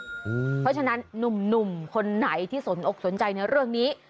เพราะฉะนั้นหนุ่มคนไหนที่สนอกสนใจในเรื่องนี้